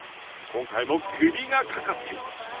今回もクビがかかっています。